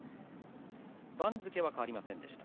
番付は変わりませんでした。